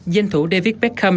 danh thủ david beckham